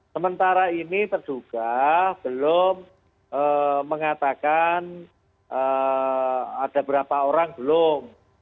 sementara ini terduga belum mengatakan ada berapa orang belum